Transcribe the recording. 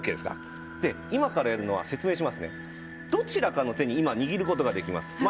今からやるのはどちらかの手に今、握ることができます。